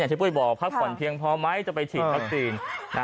ที่ปุ้ยบอกพักผ่อนเพียงพอไหมจะไปฉีดวัคซีน